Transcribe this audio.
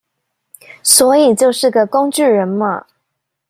所以就是個工具人嘛